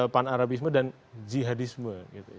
pan arabisme dan jihadisme